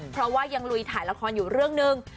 เพราะว่ายังลุยถ่ายละครอยู่เรื่องหนึ่ง